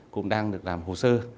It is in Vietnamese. cũng đang được làm hồ sơ